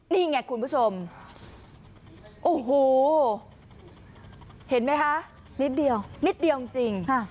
นี่ไงคุณผู้ชมโอ้โหเห็นไหมคะนิดเดียวนิดเดียวจริง